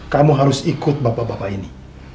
kamu harus ikut bapak bapak ini